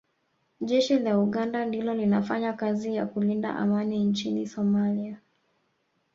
Jeshi la Uganda ndilo linafanya kazi ya kulinda Amani nchini Somalia